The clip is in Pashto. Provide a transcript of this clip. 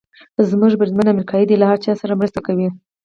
زموږ بریدمن امریکایي دی، له هر چا سره مرسته کوي.